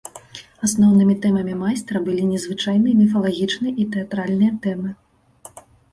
Асноўнымі тэмамі майстра былі незвычайныя міфалагічныя і тэатральныя тэмы.